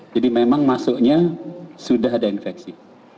memang masuknya sudah ada infeksi